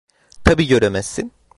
Tabii göremezsin…